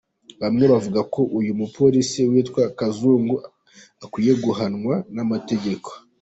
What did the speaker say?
Bamwe bavuga ko uyu mupolisi witwa Kazungu akwiye guhanwa n’amategeko.